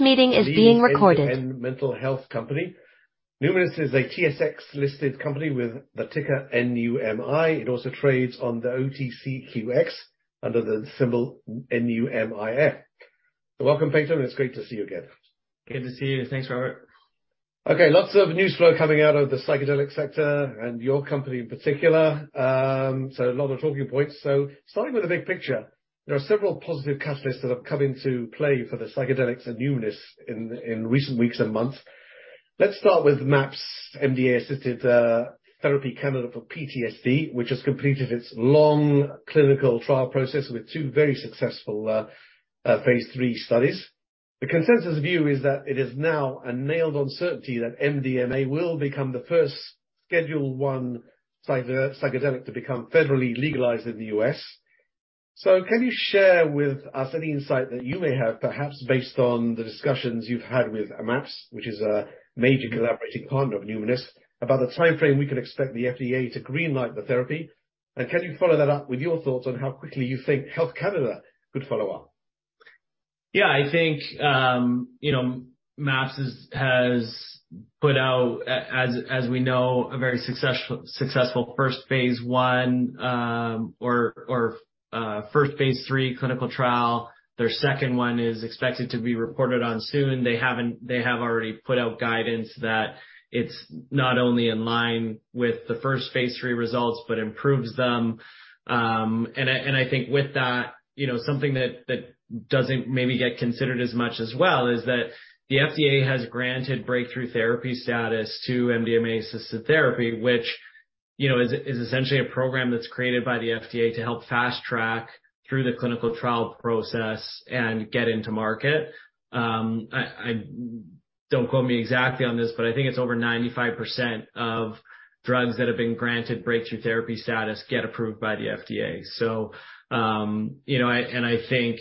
This meeting is being recorded. The Numinus Mental Health Company. Numinus is a TSX-listed company with the ticker NUMI. It also trades on the OTCQX under the symbol NUMIF. Welcome, Peyton. It's great to see you again. Good to see you. Thanks, Robert. Okay, lots of news flow coming out of the psychedelic sector and your company in particular, a lot of talking points. Starting with the big picture, there are several positive catalysts that have come into play for the psychedelics and Numinus in recent weeks and months. Let's start with MAPS, MDMA-assisted therapy candidate for PTSD, which has completed its long clinical trial process with two very successful phase III studies. The consensus view is that it is now a nailed uncertainty that MDMA will become the first Schedule I psychedelic to become federally legalized in the U.S. Can you share with us any insight that you may have, perhaps based on the discussions you've had with MAPS, which is a major collaborating partner of Numinus, about the timeframe we can expect the FDA to green light the therapy? Can you follow that up with your thoughts on how quickly you think Health Canada could follow up? Yeah, I think, you know, MAPS has put out a very successful first phase I or first phase III clinical trial. Their second one is expected to be reported on soon. They have already put out guidance that it's not only in line with the first phase III results but improves them. I, and I think with that, you know, something that doesn't maybe get considered as much as well is that the FDA has granted Breakthrough Therapy status to MDMA-assisted therapy, which, you know, is essentially a program that's created by the FDA to help fast track through the clinical trial process and get into market. Don't quote me exactly on this, but I think it's over 95% of drugs that have been granted Breakthrough Therapy status get approved by the FDA. You know, I think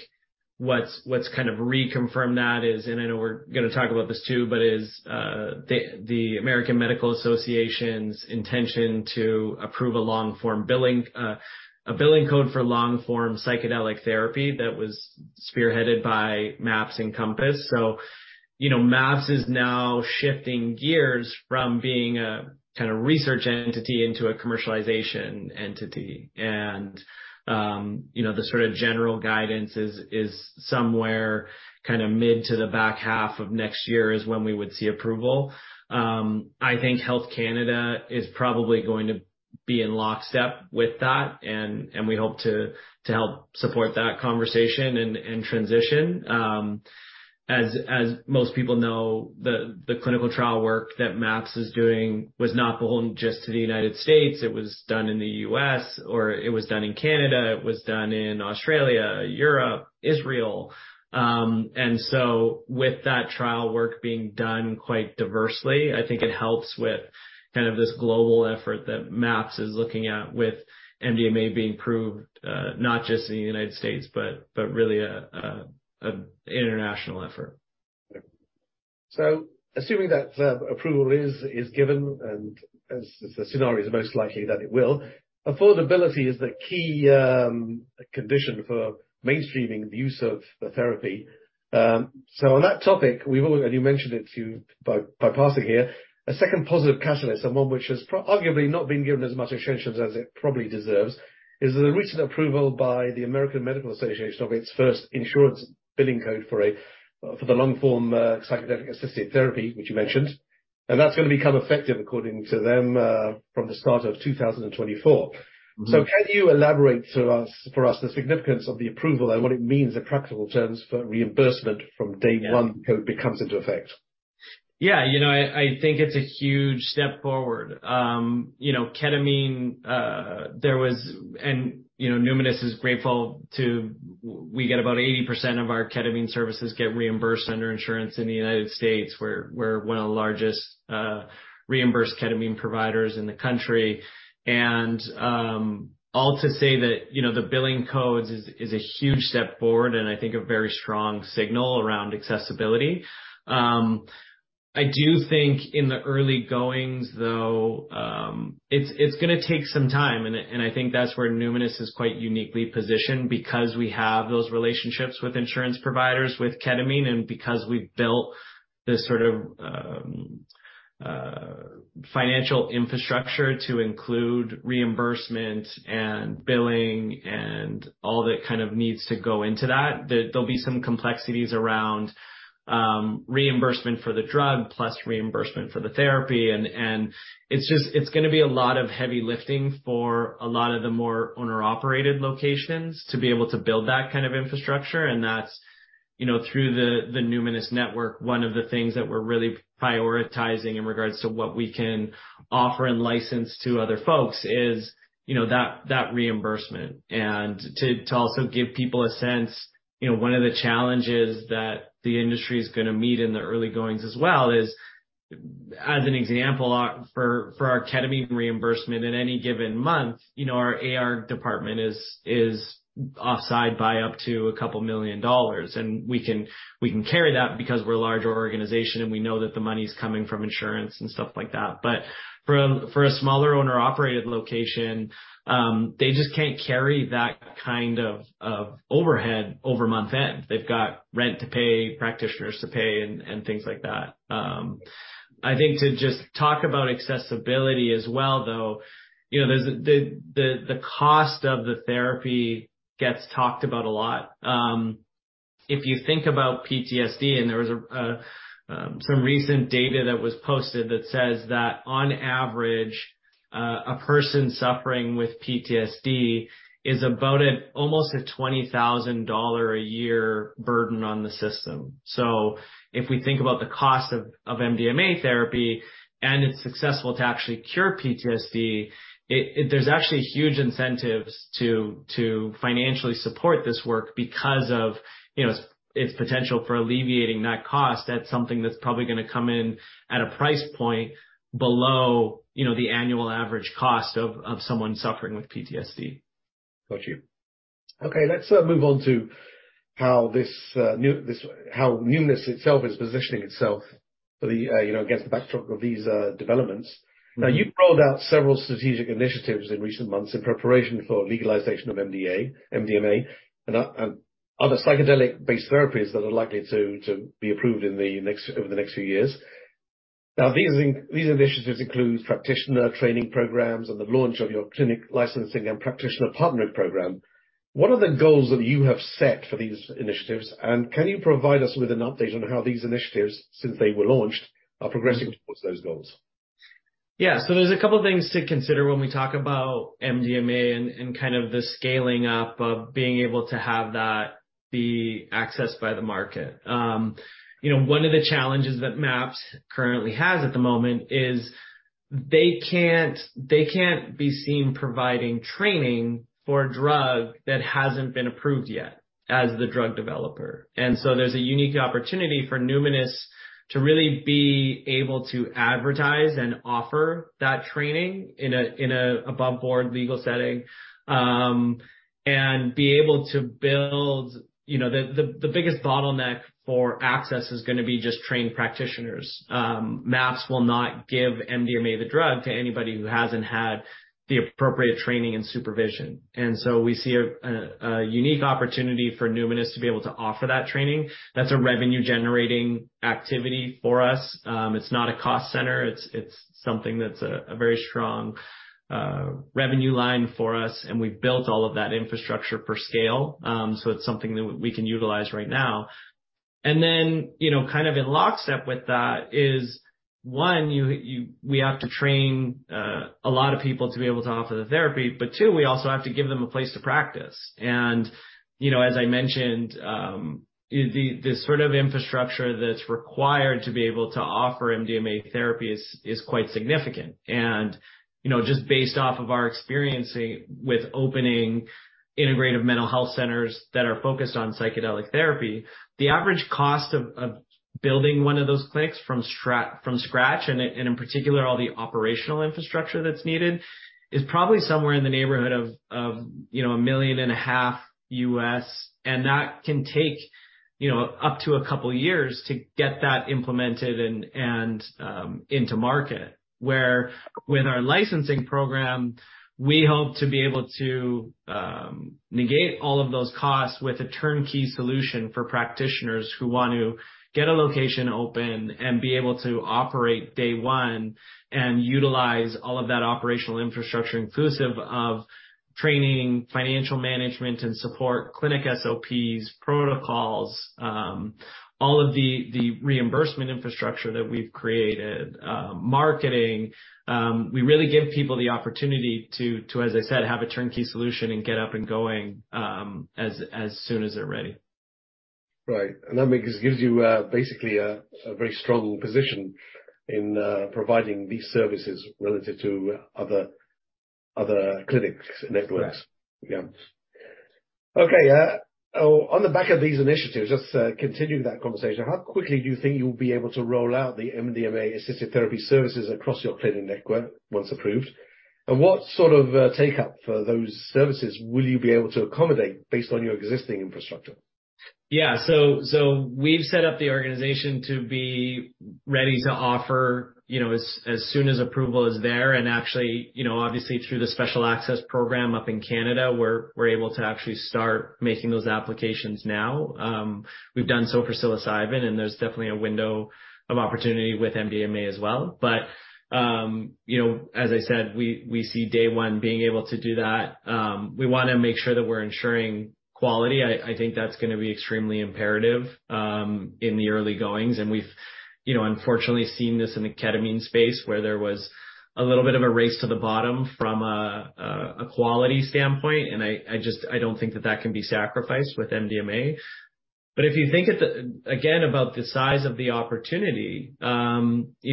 what's kind of reconfirmed that is, and I know we're going to talk about this, too, but is the American Medical Association's intention to approve a long form billing, a billing code for long form psychedelic therapy that was spearheaded by MAPS and Compass. You know, MAPS is now shifting gears from being a kind of research entity into a commercialization entity. You know, the sort of general guidance is somewhere kind of mid to the back half of next year is when we would see approval. I think Health Canada is probably going to be in lockstep with that, and we hope to help support that conversation and transition. As most people know, the clinical trial work that MAPS is doing was not beholden just to the United States. It was done in the U.S., or it was done in Canada, it was done in Australia, Europe, Israel. With that trial work being done quite diversely, I think it helps with kind of this global effort that MAPS is looking at with MDMA being approved, not just in the United States but really a international effort. Assuming that approval is given, and as the scenario is most likely that it will, affordability is the key condition for mainstreaming the use of the therapy. On that topic, we've already mentioned it to you by passing here. A second positive catalyst, and one which has arguably not been given as much attention as it probably deserves, is the recent approval by the American Medical Association of its first insurance billing code for a for the long form psychedelic-assisted theraphy, which you mentioned, and that's going to become effective, according to them, from the start of 2024. Mm-hmm. Can you elaborate to us, for us, the significance of the approval and what it means in practical terms for reimbursement from day one. Yeah it comes into effect? Yeah, you know, I think it's a huge step forward. You know, Numinus is grateful to we get about 80% of our ketamine services get reimbursed under insurance in the United States. We're one of the largest reimbursed ketamine providers in the country. All to say that, you know, the billing codes is a huge step forward, and I think a very strong signal around accessibility. I do think in the early goings, though, it's gonna take some time, and I think that's where Numinus is quite uniquely positioned because we have those relationships with insurance providers, with ketamine, and because we've built this sort of financial infrastructure to include reimbursement and billing and all that kind of needs to go into that. There'll be some complexities around reimbursement for the drug, plus reimbursement for the therapy. It's just, it's gonna be a lot of heavy lifting for a lot of the more owner-operated locations to be able to build that kind of infrastructure. That's, you know, through the Numinus network, one of the things that we're really prioritizing in regards to what we can offer and license to other folks is, you know, that reimbursement. To also give people a sense, you know, one of the challenges that the industry is gonna meet in the early goings as well is, as an example, for our ketamine reimbursement in any given month, you know, our AR department is offside by up to a couple million CAD, and we can carry that because we're a larger organization, and we know that the money's coming from insurance and stuff like that. For a smaller owner-operated location, they just can't carry that kind of overhead over month-end. They've got rent to pay, practitioners to pay, and things like that. I think to just talk about accessibility as well, though, you know, there's the cost of the therapy gets talked about a lot. If you think about PTSD, there was some recent data that was posted that says that on average, a person suffering with PTSD is about almost a $20,000 a year burden on the system. If we think about the cost of MDMA therapy, and it's successful to actually cure PTSD, there's actually huge incentives to financially support this work because of, you know, its potential for alleviating that cost. That's something that's probably gonna come in at a price point below, you know, the annual average cost of someone suffering with PTSD. Got you. Okay, let's move on to how Numinus itself is positioning itself for the, you know, against the backdrop of these developments. Now, you've rolled out several strategic initiatives in recent months in preparation for legalization of MDA, MDMA and other psychedelic-based therapies that are likely to be approved in the next, over the next few years. Now, these initiatives include practitioner training programs and the launch of your clinic licensing and practitioner partner program. What are the goals that you have set for these initiatives? Can you provide us with an update on how these initiatives, since they were launched, are progressing towards those goals? Yeah. There's a couple of things to consider when we talk about MDMA and kind of the scaling up of being able to have that be accessed by the market. You know, one of the challenges that MAPS currently has at the moment is they can't be seen providing training for a drug that hasn't been approved yet as the drug developer. There's a unique opportunity for Numinus to really be able to advertise and offer that training in a aboveboard legal setting. You know, the biggest bottleneck for access is gonna be just trained practitioners. MAPS will not give MDMA, the drug, to anybody who hasn't had the appropriate training and supervision. We see a unique opportunity for Numinus to be able to offer that training. That's a revenue-generating activity for us. It's not a cost center. It's something that's a very strong revenue line for us, and we've built all of that infrastructure for scale. So it's something that we can utilize right now. You know, kind of in lockstep with that is, one, we have to train a lot of people to be able to offer the therapy, but two, we also have to give them a place to practice. You know, as I mentioned, the sort of infrastructure that's required to be able to offer MDMA therapy is quite significant. You know, just based off of our experience with opening integrative mental health centers that are focused on psychedelic therapy, the average cost of building one of those clinics from scratch, and in particular, all the operational infrastructure that's needed, is probably somewhere in the neighborhood of $1.5 million. That can take, you know, up to two years to get that implemented and into market. With our licensing program, we hope to be able to negate all of those costs with a turnkey solution for practitioners who want to get a location open and be able to operate day one, and utilize all of that operational infrastructure, inclusive of training, financial management, and support, clinic SOPs, protocols, all of the reimbursement infrastructure that we've created, marketing. We really give people the opportunity to, as I said, have a turnkey solution and get up and going, as soon as they're ready. Right. That makes, gives you, basically a very strong position in providing these services relative to other clinics and networks. Yeah. Yeah. Okay, on the back of these initiatives, just, continue that conversation. How quickly do you think you'll be able to roll out the MDMA-assisted therapy services across the Numinus network, once approved? What sort of, take-up for those services will you be able to accommodate based on your existing infrastructure? We've set up the organization to be ready to offer, you know, as soon as approval is there. Actually, you know, obviously, through the Special Access Program up in Canada, we're able to actually start making those applications now. We've done so for psilocybin, and there's definitely a window of opportunity with MDMA as well. You know, as I said, we see day one being able to do that. We wanna make sure that we're ensuring quality. I think that's gonna be extremely imperative in the early goings. We've, you know, unfortunately, seen this in the ketamine space, where there was a little bit of a race to the bottom from a quality standpoint, I just, I don't think that that can be sacrificed with MDMA. If you think again, about the size of the opportunity, you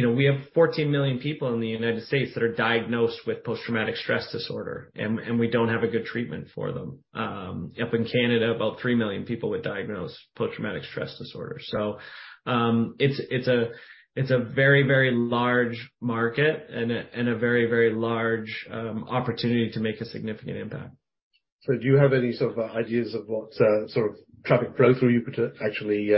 know, we have 14 million people in the United States that are diagnosed with post-traumatic stress disorder, and we don't have a good treatment for them. Up in Canada, about 3 million people with diagnosed post-traumatic stress disorder. It's a very, very large market and a very, very large opportunity to make a significant impact. Do you have any sort of ideas of what sort of traffic flow through you could actually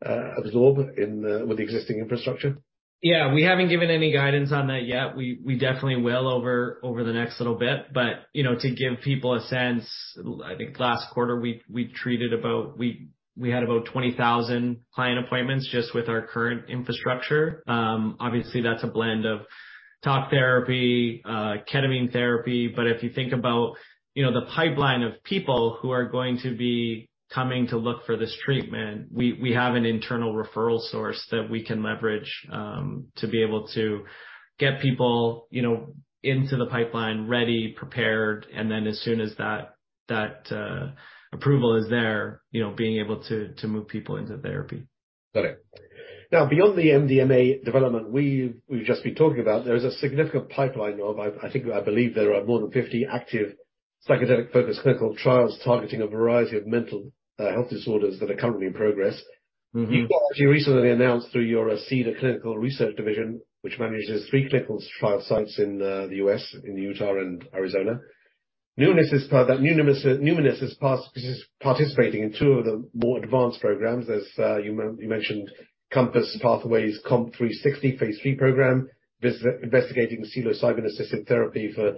absorb in the with the existing infrastructure? Yeah. We haven't given any guidance on that yet. We definitely will over the next little bit. You know, to give people a sense, I think last quarter, we had about 20,000 client appointments just with our current infrastructure. Obviously, that's a blend of talk therapy, ketamine therapy. If you think about, you know, the pipeline of people who are going to be coming to look for this treatment, we have an internal referral source that we can leverage to be able to get people, you know, into the pipeline, ready, prepared, and then as soon as that approval is there, you know, being able to move people into therapy. Got it. Now, beyond the MDMA development we've just been talking about, there is a significant pipeline of I think, I believe there are more than 50 active psychedelic-focused clinical trials targeting a variety of mental health disorders that are currently in progress. Mm-hmm. You've actually recently announced through your Cedar Clinical Research division, which manages three clinical trial sites in the U.S., in Utah and Arizona. Numinus is participating in two of the more advanced programs, as you mentioned, Compass Pathways COMP360 Phase III program, investigating psilocybin-assisted therapy for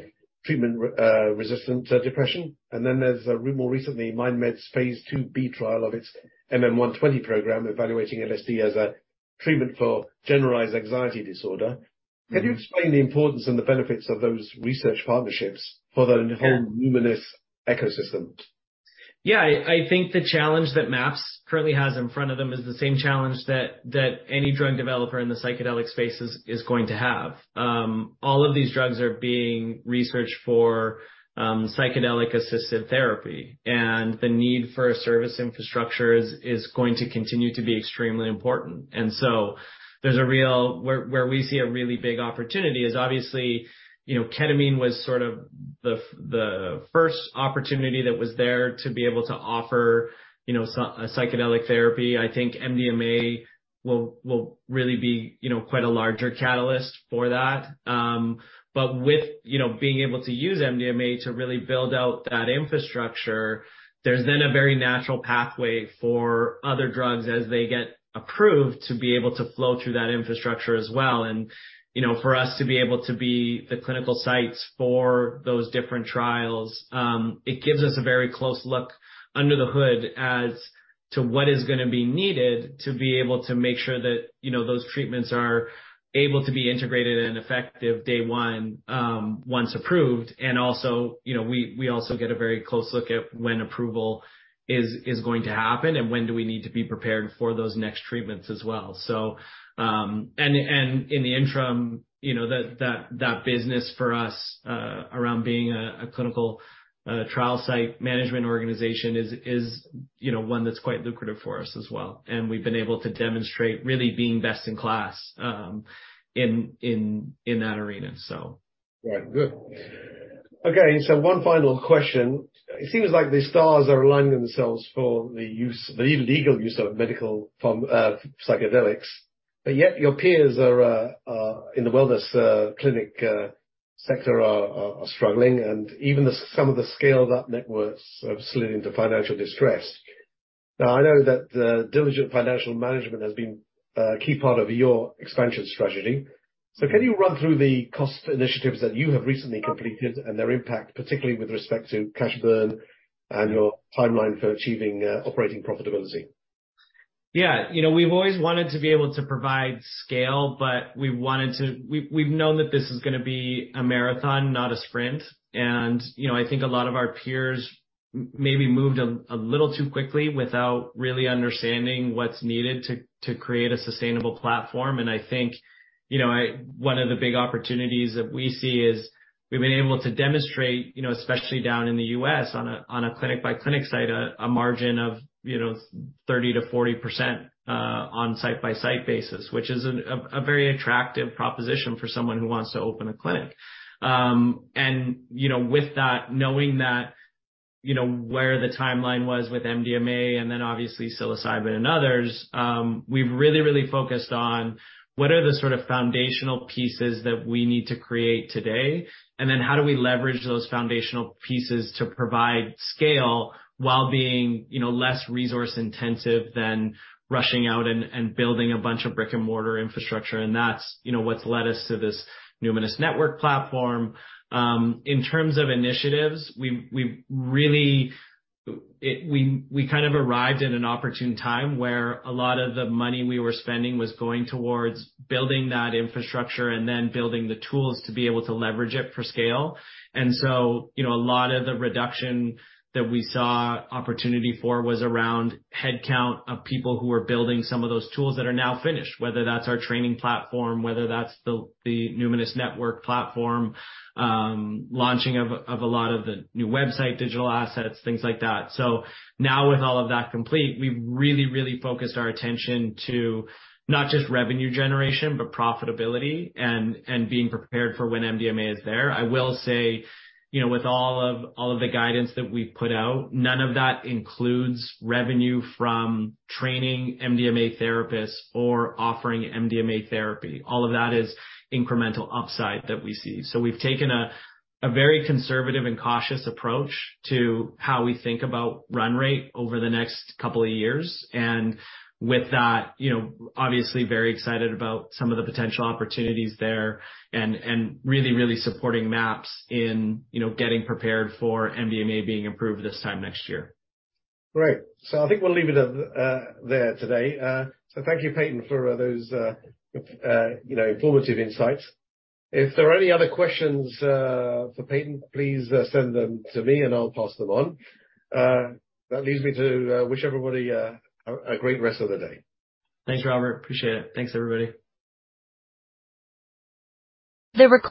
treatment-resistant depression. There's more recently, MindMed's Phase II-B trial of its MM-120 program, evaluating LSD as a treatment for generalized anxiety disorder. Mm-hmm. Can you explain the importance and the benefits of those research partnerships for the whole- Yeah Numinus ecosystem? Yeah. I think the challenge that MAPS currently has in front of them is the same challenge that any drug developer in the psychedelic space is going to have. All of these drugs are being researched for psychedelic-assisted therapy, and the need for a service infrastructure is going to continue to be extremely important. There's a real... Where we see a really big opportunity is obviously, you know, ketamine was sort of the first opportunity that was there to be able to offer, you know, a psychedelic therapy. I think MDMA will really be, you know, quite a larger catalyst for that. With, you know, being able to use MDMA to really build out that infrastructure, there's then a very natural pathway for other drugs as they get approved, to be able to flow through that infrastructure as well. You know, for us to be able to be the clinical sites for those different trials, it gives us a very close look under the hood as to what is gonna be needed to be able to make sure that, you know, those treatments are able to be integrated and effective day one, once approved. Also, you know, we also get a very close look at when approval is going to happen and when do we need to be prepared for those next treatments as well. In the interim, you know, that business for us around being a clinical trial site management organization is, you know, one that's quite lucrative for us as well, and we've been able to demonstrate really being best in class, in that arena, so. Right. Good. Okay, one final question: It seems like the stars are aligning themselves for the use, the legal use of medical psychedelics, but yet your peers are in the wellness clinic sector are struggling, and even the some of the scaled-up networks have slid into financial distress. I know that diligent financial management has been a key part of your expansion strategy. Can you run through the cost initiatives that you have recently completed and their impact, particularly with respect to cash burn and your timeline for achieving operating profitability? Yeah. You know, we've always wanted to be able to provide scale, but we've known that this is gonna be a marathon, not a sprint. You know, I think a lot of our peers maybe moved a little too quickly without really understanding what's needed to create a sustainable platform. I think, you know, one of the big opportunities that we see is we've been able to demonstrate, you know, especially down in the U.S. on a clinic-by-clinic site, a margin of, you know, 30%-40% on site-by-site basis, which is a very attractive proposition for someone who wants to open a clinic. You know, with that, knowing that, you know, where the timeline was with MDMA and then obviously psilocybin and others, we've really focused on what are the sort of foundational pieces that we need tocreate today, and then how do we leverage those foundational pieces to provide scale while being, you know, less resource-intensive than rushing out and building a bunch of brick-and-mortar infrastructure. That's, you know, what's led us to this Numinus network platform. In terms of initiatives, we really kind of arrived at an opportune time, where a lot of the money we were spending was going towards building that infrastructure and then building the tools to be able to leverage it for scale. You know, a lot of the reduction that we saw opportunity for was around headcount of people who were building some of those tools that are now finished, whether that's our training platform, whether that's the Numinus network platform, launching of a lot of the new website, digital assets, things like that. Now with all of that complete, we've really focused our attention to not just revenue generation, but profitability and being prepared for when MDMA is there. I will say, you know, with all of the guidance that we've put out, none of that includes revenue from training MDMA therapists or offering MDMA therapy. All of that is incremental upside that we see. We've taken a very conservative and cautious approach to how we think about run rate over the next couple of years. With that, you know, obviously very excited about some of the potential opportunities there and really supporting MAPS in, you know, getting prepared for MDMA being approved this time next year. Great. I think we'll leave it at there today. Thank you, Peyton, for those, you know, informative insights. If there are any other questions for Peyton, please send them to me, and I'll pass them on. That leaves me to wish everybody a great rest of the day. Thanks, Robert. Appreciate it. Thanks, everybody.